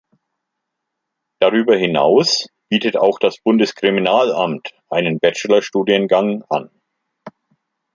Darüber hinaus bietet auch das Bundeskriminalamt einen Bachelor-Studiengang an.